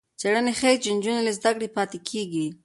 څېړنه ښيي چې نجونې له زده کړې پاتې کېږي.